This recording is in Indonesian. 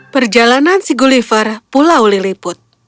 perjalanan si gulliver pulau liliput